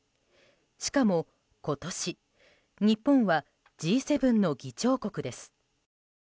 しかも今年、日本はＧ７の議長国です。